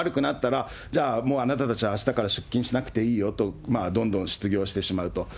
経済も悪くなったら、じゃあもうあなたたちあしたから出勤しなくていいよと、どんどん失業してしまうと。